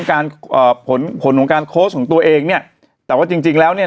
การเอ่อผลผลของการโค้ชของตัวเองเนี่ยแต่ว่าจริงจริงแล้วเนี่ย